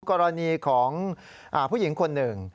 กรณีของผู้หญิงคนหนึ่ง